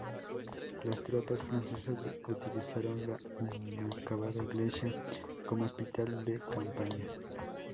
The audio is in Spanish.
Las tropas francesas utilizaron la inacabada iglesia como hospital de campaña.